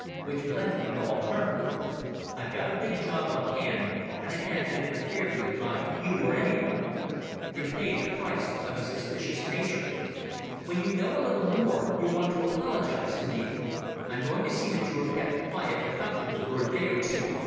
But you left me no alternative. I've got a big job on hand and I can't have it interfered with by you or anyone. You're paying the price of a suspicious nature. When you know a little more you'll want to apologize to me. I'm going to see that you are kept quiet and comfortable for a day or two.